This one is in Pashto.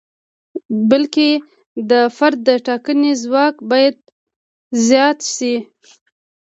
بلکې د فرد د ټاکنې ځواک باید زیات شي.